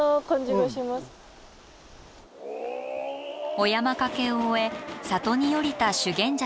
お山かけを終え里に下りた修験者たち。